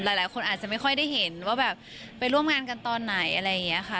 หลายคนอาจจะไม่ค่อยได้เห็นว่าแบบไปร่วมงานกันตอนไหนอะไรอย่างนี้ค่ะ